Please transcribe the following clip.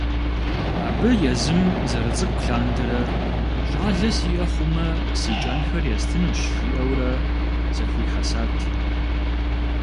Абы езым зэрыцӏыкӏу лъандэрэ, щӀалэ сиӀэ хъумэ си кӀэнхэр естынущ жиӀэурэ зэхуихьэсат.